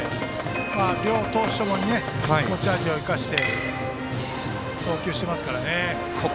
両投手とも持ち味を生かして投球していますからね。